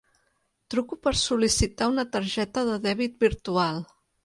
Truco per sol·licitar una targeta de dèbit virtual.